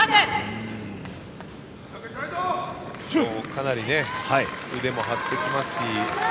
かなり腕も張ってきますし。